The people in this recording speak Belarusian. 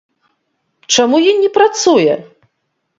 Чаму ён не працуе?